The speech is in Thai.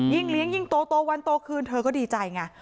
เลี้ยงยิ่งโตวันโตคืนเธอก็ดีใจไง